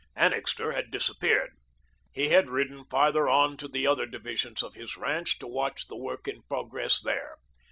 Annixter had disappeared. He had ridden farther on to the other divisions of his ranch, to watch the work in progress there.